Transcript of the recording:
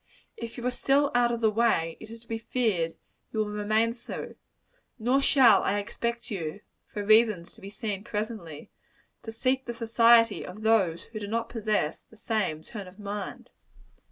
If you are still out of the way, it is to be feared you will remain so: nor shall I expect you for reasons to be seen presently to seek the society of those who do not possess the same turn of mind.